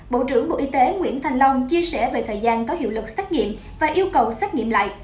bộ trưởng bộ y tế nguyễn thanh long chia sẻ về thời gian có hiệu lực xét nghiệm và yêu cầu xét nghiệm lại